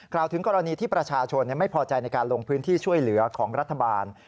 ถึงกรณีที่ประชาชนไม่พอใจในการลงพื้นที่ช่วยเหลือของรัฐบาล